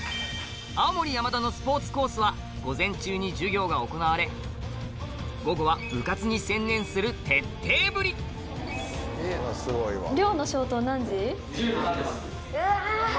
青森山田のスポーツコースは午前中に授業が行われ午後は部活に専念する徹底ぶりうわ。